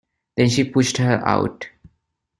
Then she pushed her out.